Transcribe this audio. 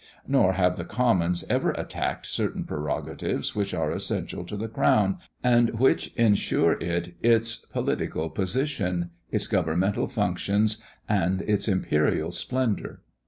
Nor have the Commons ever attacked certain prerogatives which are essential to the crown, and which insure it its political position, its governmental functions, and its imperial splendour.